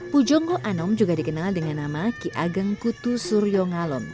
pujongo anom juga dikenal dengan nama kiageng kutu suryongalom